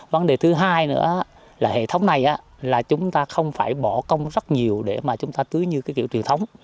vấn đề thứ hai nữa là hệ thống này là chúng ta không phải bỏ công rất nhiều để mà chúng ta tưới như cái kiểu truyền thống